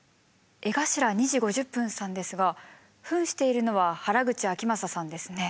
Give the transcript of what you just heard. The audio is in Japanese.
江頭２：５０さんですがふんしているのは原口あきまささんですね。